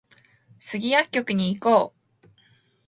スギ薬局に行こう